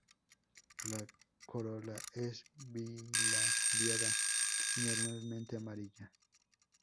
La corola es bilabiada y normalmente amarilla.